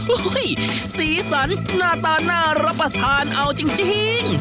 โอ้โหสีสันหน้าตาน่ารับประทานเอาจริง